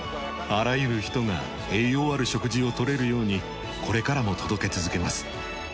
あらゆる人が栄養ある食事を取れるようにこれからも届け続けます。